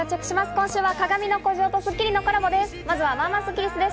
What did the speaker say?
今週は『かがみの孤城』と『スッキリ』のコラボです。